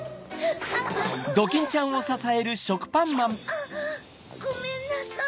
あごめんなさい。